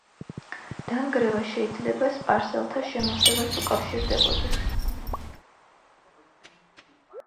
დანგრევა შეიძლება სპარსელთა შემოსევას უკავშირდებოდეს.